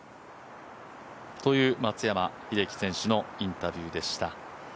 という松山英樹のインタビューでした。